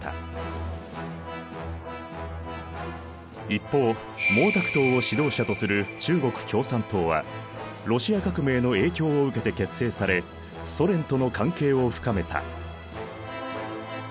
一方毛沢東を指導者とする中国共産党はロシア革命の影響を受けて結成されソ連との関係を深めた。